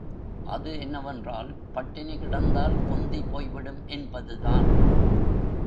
அது என்னவென்றால் பட்டினி கிடந்தால் தொந்தி போய்விடும் என்பது தான்.